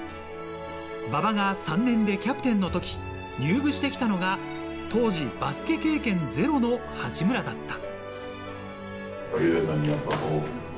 馬場が３年でキャプテンの時入部してきたのが、当時バスケ経験ゼロの八村だった。